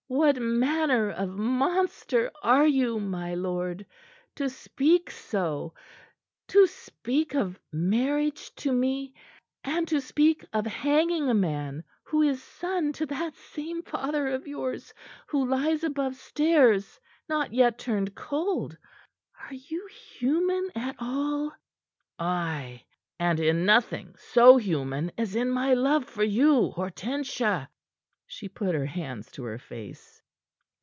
"What manner of monster are you, my lord? To speak so to speak of marriage to me, and to speak of hanging a man who is son to that same father of yours who lies above stairs, not yet turned cold. Are you human at all?" "Ay and in nothing so human as in my love for you, Hortensia." She put her hands to her face.